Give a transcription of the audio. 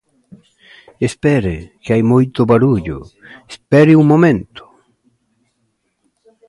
Espere, que hai moito barullo, espere un momento.